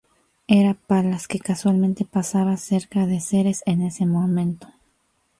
Era Palas, que casualmente pasaba cerca de Ceres en ese momento.